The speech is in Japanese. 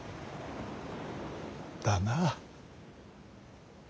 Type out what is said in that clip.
だな。